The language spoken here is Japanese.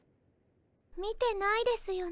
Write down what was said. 見てないですよね？